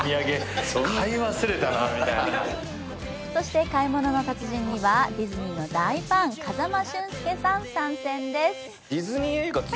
そして「買い物の達人」にはディズニーの大ファン、風間俊介さん参戦です。